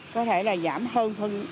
có thể là giảm hơn